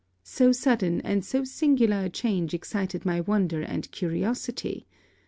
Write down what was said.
So sudden and so singular a change excited my wonder and curiosity!